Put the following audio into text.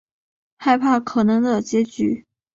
害怕可能的结局